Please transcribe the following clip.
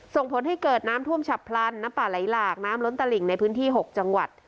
ส่งผลให้เกิดน้ำท่วมฉับพลันน้ำป่าไหลหลากน้ำล้นตลิ่งในพื้นที่๖จังหวัด